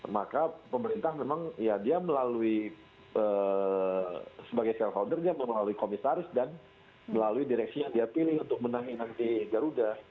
maka pemerintah memang ya dia melalui sebagai self holder dia melalui komisaris dan melalui direksi yang dia pilih untuk menangin nanti garuda